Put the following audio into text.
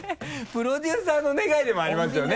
プロデューサーの願いでもありますよね。